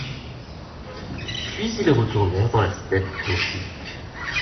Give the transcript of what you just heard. Puis ils retournèrent dans la steppe pontique.